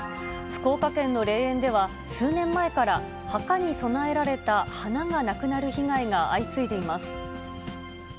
福岡県の霊園では、数年前から墓に供えられた花がなくなる被害が相次いでいます。